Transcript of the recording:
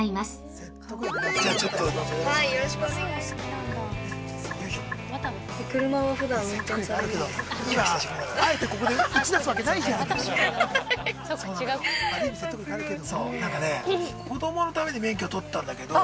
なんかね、子供のために免許を取ったんだけど。